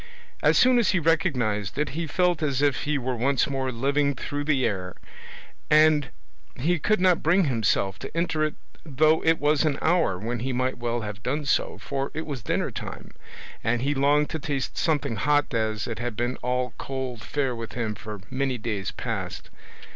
As soon as he recognised it he felt as if he were once more living through the air, and he could not bring himself to enter it though it was an hour when he might well have done so, for it was dinner time, and he longed to taste something hot as it had been all cold fare with him for many days past.